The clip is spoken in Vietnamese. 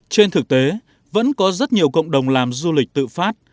trên thực tế vẫn có rất nhiều cộng đồng làm du lịch tự phát